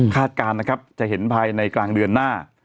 การนะครับจะเห็นภายในกลางเดือนหน้า